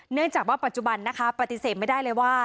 เนื่องจากว่าปัจจุบันนะคะปฏิเสธไม่ได้เลยว่า